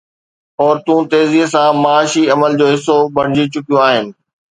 عورتون تيزيءَ سان معاشي عمل جو حصو بڻجي چڪيون آهن.